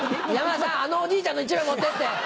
山田さんあのおじいちゃんの１枚持ってって。